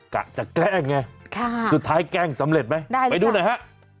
กะจะแกล้งไงสุดท้ายแกล้งสำเร็จไหมได้ไปดูหน่อยฮะ